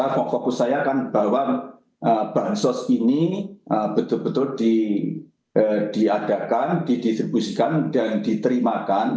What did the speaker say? fokus saya kan bahwa bansos ini betul betul diadakan didistribusikan dan diterimakan